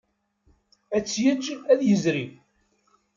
Ad t-yeǧǧ ad yezri.